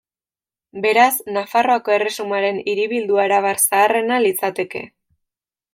Beraz, Nafarroako Erresumaren hiribildu arabar zaharrena litzateke.